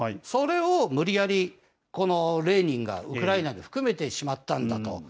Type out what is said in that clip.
それを無理やり、このレーニンがウクライナに含めてしまったんだと。